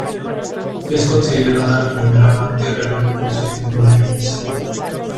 Es considerada la primera amante real reconocida de manera oficial.